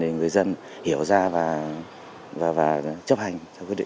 để người dân hiểu ra và chấp hành